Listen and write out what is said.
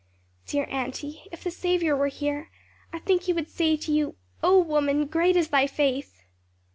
"Dear auntie, if the Saviour were here, I think he would say to you, 'O woman, great is thy faith!'"